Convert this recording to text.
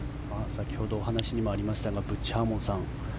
先ほどお話にもありましたがブッチ・ハーモンさん